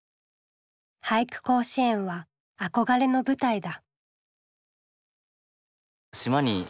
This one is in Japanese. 俳句甲子園は憧れの舞台だ。